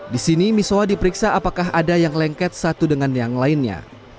di sini misoa diperiksa apakah ada yang lengket satu dengan yang lainnya